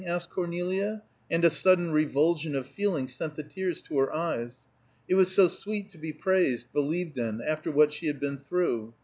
asked Cornelia, and a sudden revulsion of feeling sent the tears to her eyes. It was so sweet to be praised, believed in, after what she had been through.